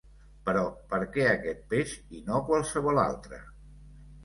Però per què aquest peix i no qualsevol altre?